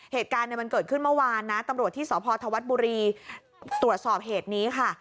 เหตุการณ์มันเกิดขึ้นเมื่อวานนะตำรวจที่สพธวัฒน์บุรีตรวจสอบเหตุนี้ค่ะ